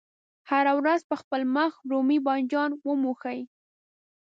هره ورځ په خپل مخ رومي بانجان وموښئ.